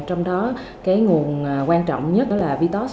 trong đó cái nguồn quan trọng nhất là vitos